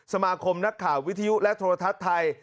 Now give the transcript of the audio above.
สมาคมนักข่าววิทยุและโทรทัศน์ไทย